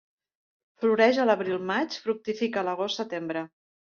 Floreix a l'abril-maig, fructifica a l'agost-setembre.